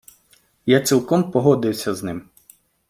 Я цілком погодився з ним.